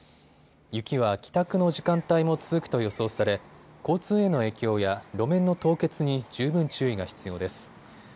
雪は帰宅の時間帯も続くと予想され交通への影響や路面の凍結に十分注意が必要です。